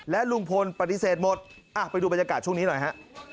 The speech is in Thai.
ลุงพลปฏิเสธหมดไปดูบรรยากาศช่วงนี้หน่อยฮะ